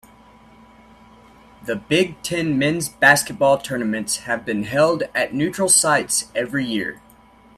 The Big Ten Men's Basketball tournaments have been held at neutral sites every year.